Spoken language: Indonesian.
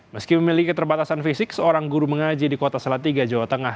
meski memiliki keterbatasan fisik seorang guru mengaji di kota salatiga jawa tengah